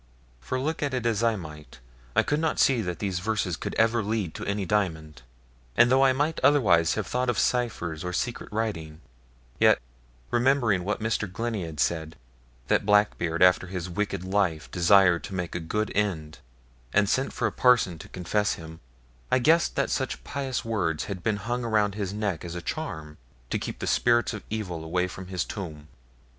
For look at it as I might, I could not see that these verses could ever lead to any diamond; and though I might otherwise have thought of ciphers or secret writing, yet, remembering what Mr. Glennie had said, that Blackbeard after his wicked life desired to make a good end, and sent for a parson to confess him, I guessed that such pious words had been hung round his neck as a charm to keep the spirits of evil away from his tomb.